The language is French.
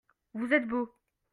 Vous êtes beau.